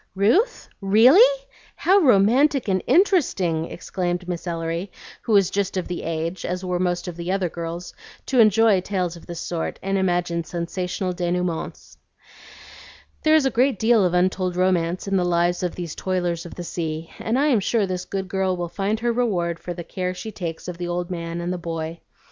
"Ruth? Really? How romantic and interesting!" exclaimed Miss Ellery, who was just of the age, as were most of the other girls, to enjoy tales of this sort and imagine sensational denouements. "There is a great deal of untold romance in the lives of these toilers of the sea, and I am sure this good girl will find her reward for the care she takes of the old man and the boy.